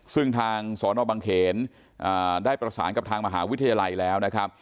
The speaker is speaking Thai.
ซึ่งทางสนบังเขนได้ประสานกับทางมหาวิทยาลัยแล้วนะครับ